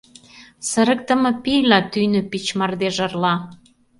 Сырыктыме пийла тӱнӧ Пич мардеж ырла.